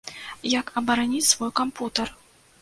Як абараніць свой кампутар?